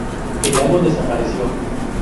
El lago desapareció.